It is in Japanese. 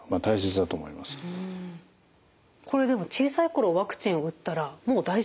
これでも小さい頃ワクチンを打ったらもう大丈夫なんでしょうか？